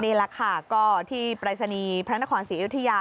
นี่แหละค่ะก็ที่ปรัศนีพนักของศรีอิทยา